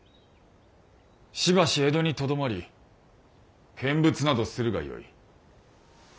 しばし江戸にとどまり見物などするがよい。